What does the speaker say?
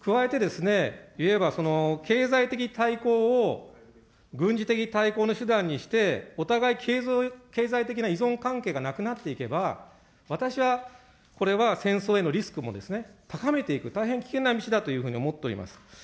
加えて言えば、経済的大綱を軍事的対抗の手段にして、お互い経済的な依存関係がなくなっていけば、私はこれは戦争へのリスクも高めていく、大変な危険な道だというふうに思っております。